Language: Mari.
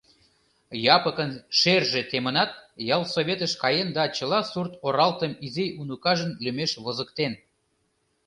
Япыкын шерже темынат, ялсоветыш каен да чыла сурт-оралтым изи уныкажын лӱмеш возыктен.